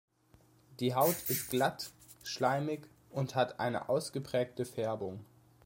Die Haut ist glatt, schleimig und hat eine ausgeprägte Färbung.